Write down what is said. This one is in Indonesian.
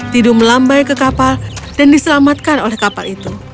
tidu melambai ke kapal dan diselamatkan oleh kapal itu